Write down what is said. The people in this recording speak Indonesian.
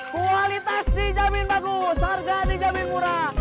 kualitas dijamin bagus harga dijamin murah